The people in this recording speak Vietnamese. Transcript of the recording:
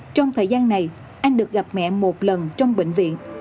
trong thời gian này anh được gặp mẹ một lần trong bệnh viện